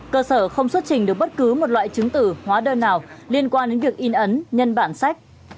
cơ sở không xuất trình được bất cứ một loại chứng tử hóa đơn nào liên quan đến việc in ấn nhân bản sách